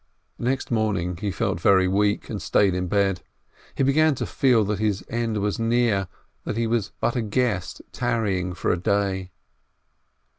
Next morning he felt very weak, and stayed in bed. He began to feel that his end was near, that he was but a guest tarrying for a day.